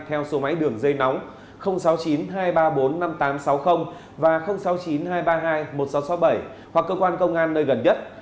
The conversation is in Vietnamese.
theo số máy đường dây nóng sáu mươi chín hai trăm ba mươi bốn năm nghìn tám trăm sáu mươi và sáu mươi chín hai trăm ba mươi hai một nghìn sáu trăm sáu mươi bảy hoặc cơ quan công an nơi gần nhất